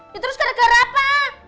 ya terus gara gara apa